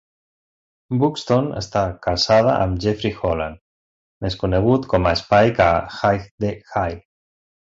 Buxton està casada amb Jeffrey Holland, més conegut com a Spike a "Hi-de-Hi!".